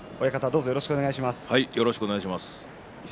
よろしくお願いします。